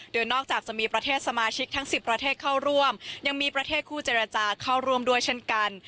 โดยนอกจากจะมีประเทศสมาชิกทั้ง๑๐ประเทศเข้าร่วมยังมีประเทศคู่เจรจาเข้าร่วมด้วยเช่นกัน